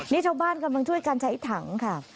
นี่ชาวบ้านกำลังช่วยกันใช้ถังค่ะ